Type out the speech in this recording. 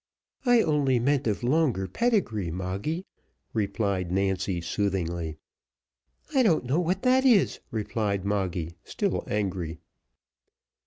"I only meant of longer pedigree, Moggy," replied Nancy soothingly. "I don't know what that is," replied Moggy, still angry.